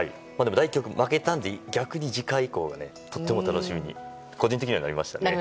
第１局負けたので逆に次回以降、とても楽しみに個人的にはなりましたね。